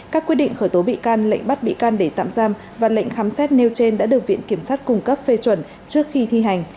các quyết định khởi tố bị can lệnh bắt bị can để tạm giam và lệnh khám xét nêu trên đã được viện kiểm sát cung cấp phê chuẩn trước khi thi hành